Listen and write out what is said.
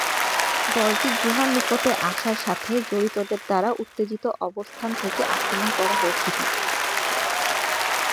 দলটি গুহার নিকটে আসার সাথে জড়িতদের দ্বারা উত্তেজিত অবস্থান থেকে আক্রমণ করা হয়েছিল।